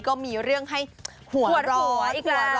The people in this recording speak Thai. ก็มีเรื่องให้หัวร้อน